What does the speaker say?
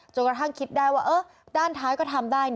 กระทั่งคิดได้ว่าด้านท้ายก็ทำได้